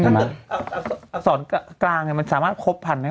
ถ้าเกิดอักษรกลางเนี่ยมันสามารถครบ๑๐๐๐๕๕๐นะครับคุณแม่